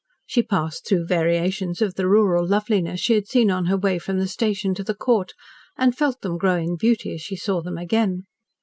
She passed through variations of the rural loveliness she had seen on her way from the station to the Court, and felt them grow in beauty as she saw them again.